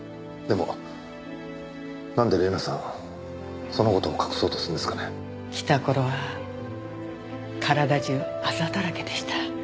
でもなんで玲奈さんその事を隠そうとするんですかね？来た頃は体中アザだらけでした。